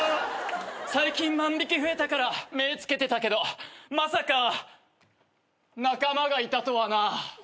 最近万引増えたから目つけてたけどまさか仲間がいたとはな。